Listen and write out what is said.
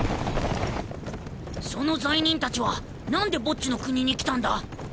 その罪人たちは何でボッジの国に来たんだ？